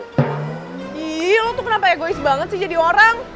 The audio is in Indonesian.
ih lo tuh kenapa egois banget sih jadi orang